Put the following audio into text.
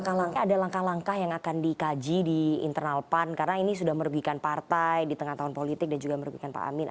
ada langkah langkah yang akan dikaji di internal pan karena ini sudah merugikan partai di tengah tahun politik dan juga merugikan pak amin